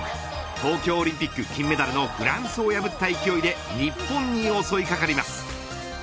東京オリンピック金メダルのフランスを破った勢いで日本に襲いかかります。